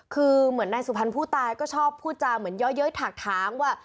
คือเหมือนแนนสุภัณฑ์ผู้ตายก็ชอบพูดจากเยอะถักทางว่า